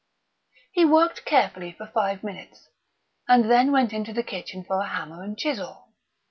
He worked carefully for five minutes, and then went into the kitchen for a hammer and chisel.